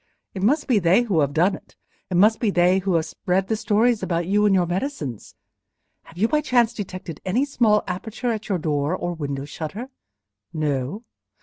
It must be they who have done it—it must be they who have spread the stories about you and your medicines. Have you by chance detected any small aperture in your door, or window shutter? No?